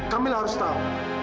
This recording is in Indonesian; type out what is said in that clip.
kamila harus tahu